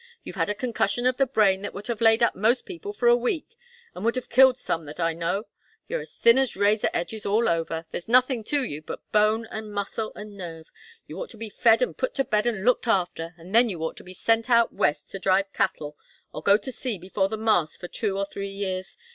You've had a concussion of the brain that would have laid up most people for a week, and would have killed some that I know. You're as thin as razor edges all over there's nothing to you but bone and muscle and nerve. You ought to be fed and put to bed and looked after, and then you ought to be sent out West to drive cattle, or go to sea before the mast for two or three years.